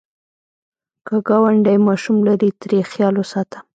که ګاونډی ماشوم لري، ترې خیال وساته